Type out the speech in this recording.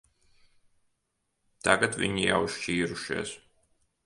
Tagad viņi jau šķīrušies.